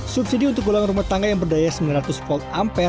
subsidi untuk golongan rumah tangga yang berdaya rp sembilan ratus